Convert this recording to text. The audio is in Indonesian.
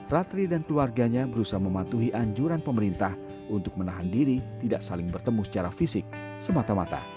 ratri dan keluarganya berusaha mematuhi anjuran pemerintah untuk menahan diri tidak saling bertemu secara fisik semata mata